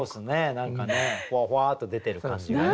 何かねほわほわっと出てる感じがね。